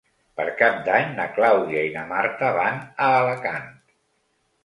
Per Cap d'Any na Clàudia i na Marta van a Alacant.